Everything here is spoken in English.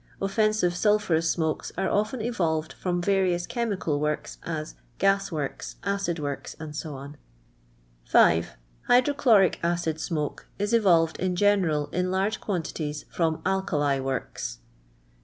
Offensive suipburou!< smokes are often evolved from various clieinical works, as g.is works, acid works, 6ic, u. JJf/'lrodtlut'ii A' 'il S.A'jh is evolved in general in litrge quantities from alkali works.